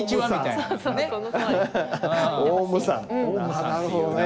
あっなるほどね。